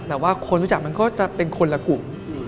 แต่ว่าคนรู้จักมันก็จะเป็นคนละกลุ่ม